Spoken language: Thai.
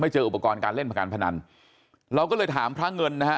เจออุปกรณ์การเล่นพนันเราก็เลยถามพระเงินนะฮะ